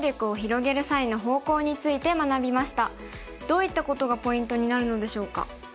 どういったことがポイントになるのでしょうか。